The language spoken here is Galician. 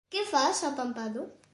Que fas, apampado?